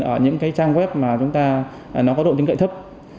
ở những trang web có đội tính cậy thấp